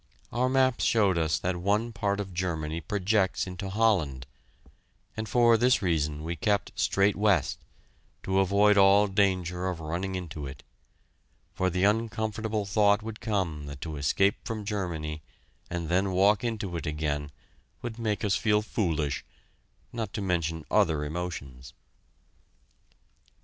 Our maps showed us that one part of Germany projects into Holland, and for this reason we kept straight west, to avoid all danger of running into it; for the uncomfortable thought would come that to escape from Germany and then walk into it again would make us feel foolish not to mention other emotions.